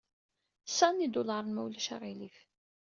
Sa n yidulaṛen, ma ulac aɣilif.